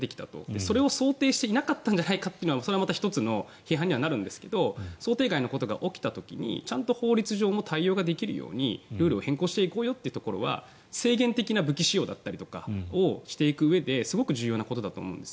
それを想定していなかったんじゃないかというのは１つの批判にはなるんですが想定外のことが起きた時にちゃんと法律上も対応ができるようにルールを変更していこうよということは制限的な武器使用だったりとかをしていくうえですごく重要なことだと思うんです。